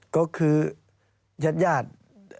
ก็คือญาติญาติ